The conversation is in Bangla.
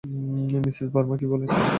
মিসেস ভার্মা কী বললেন?